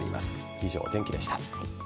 以上、お天気でした。